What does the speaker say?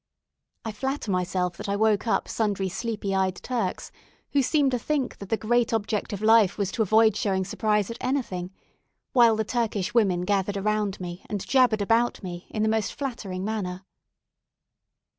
I flatter myself that I woke up sundry sleepy eyed Turks, who seemed to think that the great object of life was to avoid showing surprise at anything; while the Turkish women gathered around me, and jabbered about me, in the most flattering manner.